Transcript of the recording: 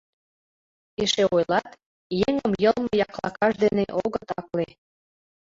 Эше ойлат: еҥым йылме яклакаж дене огыт акле.